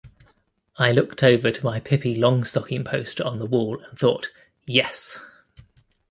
I looked over to my Pippi Longstocking poster on the wall and thought, Yes!